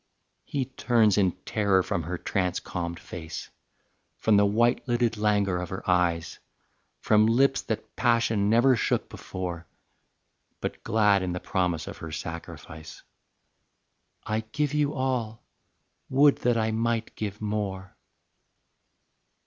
He turns in terror from her trance calmed face, From the white lidded languor of her eyes, From lips that passion never shook before, But glad in the promise of her sacrifice: "I give you all; would that I might give more."